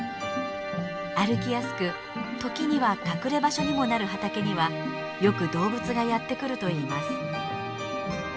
歩きやすく時には隠れ場所にもなる畑にはよく動物がやって来るといいます。